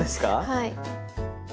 はい。